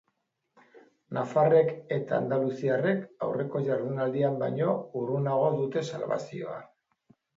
Nafarrek eta andaluziarrek aurreko jardunaldian baino hurrunago dute salbazioa.